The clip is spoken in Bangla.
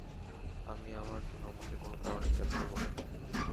আমি আমার ধর্মকে কোন কারণেই ত্যাগ করব না।